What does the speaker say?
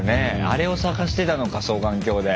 あれを探してたのか双眼鏡で。